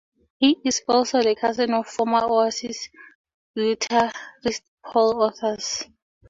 He is also the cousin of former Oasis guitarist Paul Arthurs.